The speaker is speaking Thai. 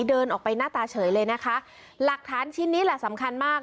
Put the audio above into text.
เดินออกไปหน้าตาเฉยเลยนะคะหลักฐานชิ้นนี้แหละสำคัญมาก